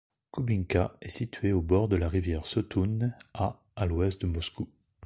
Koubinka est située au bord de la rivière Setoun, à à l'ouest de Moscou.